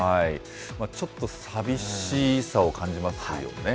ちょっと寂しさを感じますよね。